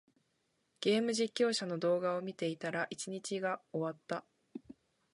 ゲーム実況者の動画を見ていたら、一日が終わった。